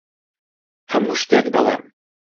هەموو شتێک دەڵێم.